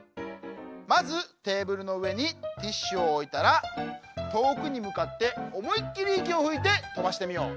まずテーブルのうえにティッシュをおいたらとおくにむかっておもいっきりいきをふいてとばしてみよう。